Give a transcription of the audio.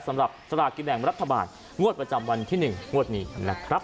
สำหรับสลากกินแบ่งรัฐบาลงวดประจำวันที่๑งวดนี้นะครับ